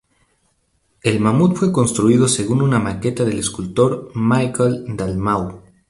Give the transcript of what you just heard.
El mamut fue construido según una maqueta del escultor Miquel Dalmau.